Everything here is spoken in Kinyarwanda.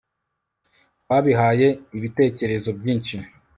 Twabihaye ibitekerezo byinshi